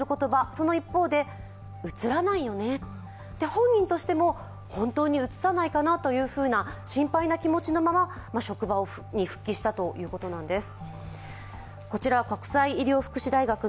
本人としても本当にうつさないかなというふうな心配な気持ちのまま、職場に復帰したということなんです。